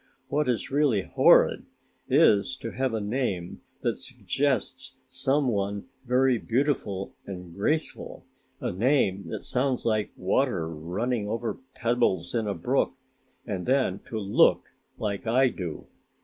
"What is really horrid is to have a name that suggests some one very beautiful and graceful a name that sounds like water running over pebbles in a brook and then to look like I do.